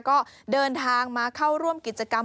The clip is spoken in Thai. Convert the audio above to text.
ก็เดินทางมาเข้าร่วมกิจกรรม